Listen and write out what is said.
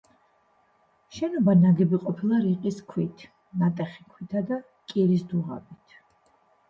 შენობა ნაგები ყოფილა რიყის ქვით, ნატეხი ქვითა და კირის დუღაბით.